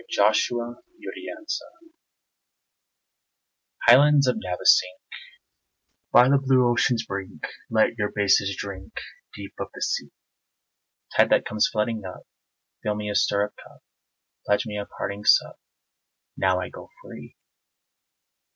NUNC DIMITTIS Highlands of Navesink, By the blue ocean's brink, Let your gray bases drink Deep of the sea. Tide that comes flooding up, Fill me a stirrup cup, Pledge me a parting sup, Now I go free.